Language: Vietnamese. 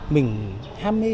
mình ham mê